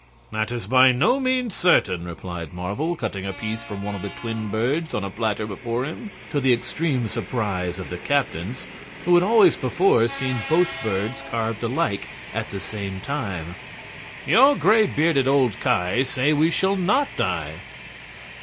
"That is by no means certain," replied Marvel, cutting a piece from one of the twin birds on a platter before him to the extreme surprise of the captains, who had always before seen both birds carved alike at the same time. "Your gray bearded old Ki say we shall not die."